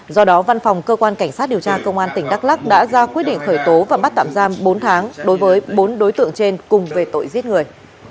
do đó văn phòng cơ quan cảnh sát điều tra công an tỉnh đắk lắc đã ra quyết định khởi tố và bắt tạm giam bốn tháng đối với bốn đối tượng trên cùng về tội giết người